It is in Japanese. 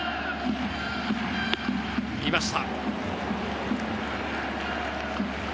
見ました。